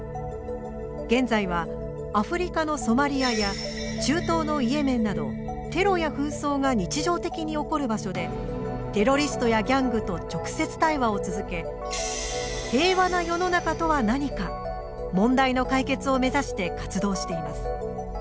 現在はアフリカのソマリアや中東のイエメンなどテロや紛争が日常的に起こる場所でテロリストやギャングと直接対話を続け平和な世の中とは何か問題の解決を目指して活動しています